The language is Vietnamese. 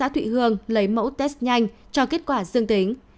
thị hương lấy mẫu test nhanh cho kết quả dương tính